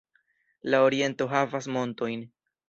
La oriento havas montojn.